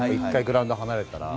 グラウンド離れたら。